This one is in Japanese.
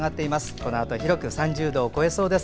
このあと広く３０度を超えそうです。